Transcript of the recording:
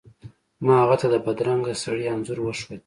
ما هغه ته د بدرنګه سړي انځور وښود.